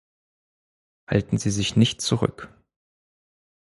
Halten Sie sich nicht zurück.